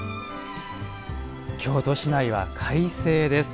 京都市内は快晴です。